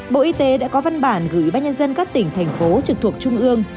bộ y tế đã có văn bản gửi bác nhân dân các tỉnh thành phố trực thuộc trung ương